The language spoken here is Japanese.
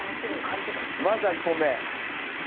まずは１本目。